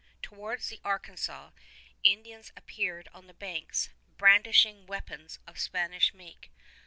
Towards the Arkansas, Indians appeared on the banks, brandishing weapons of Spanish make.